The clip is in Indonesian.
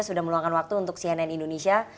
sudah meluangkan waktu untuk cnn indonesia